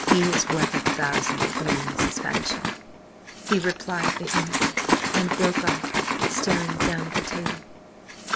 "He is worth a thousand of me, Mrs. Fanshawe!" he replied vehemently, and broke off, staring down at the table.